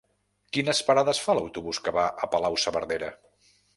Quines parades fa l'autobús que va a Palau-saverdera?